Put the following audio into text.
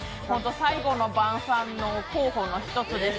最後の晩さんの候補の１つです。